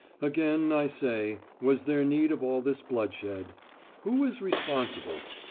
Again I say, was there need of all this bloodshed? Who is responsible?